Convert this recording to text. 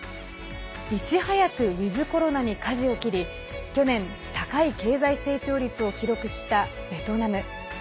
いち早くウィズコロナにかじを切り去年、高い経済成長率を記録したベトナム。